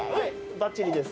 ばっちりです。